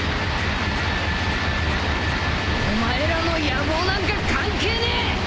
お前らの野望なんか関係ねえ！